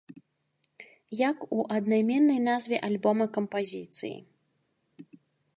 Як у аднайменнай назве альбома кампазіцыі.